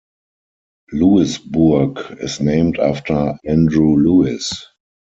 Lewisburg is named after Andrew Lewis.